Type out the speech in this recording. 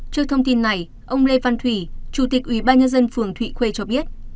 trước thông tin này ông lê văn thủy chủ tịch ủy ban nhân dân phường thụy khuê cho biết